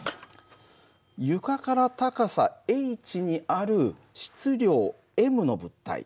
床から高さｈにある質量ｍの物体。